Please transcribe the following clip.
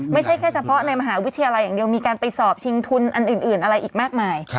ไม่ใช่แค่เฉพาะในมหาวิทยาลัยอย่างเดียวมีการไปสอบชิงทุนอันอื่นอะไรอีกมากมาย